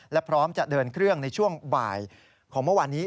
และพร้อมจะเดินเครื่องในช่วงบ่ายของเมื่อวานนี้